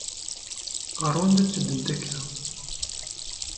Ɣer wanda i tetteddumt akka?